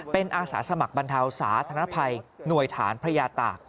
เป็นอาสาสมัครบรรเทาสาธารณภัยหน่วยฐานพระยาตาก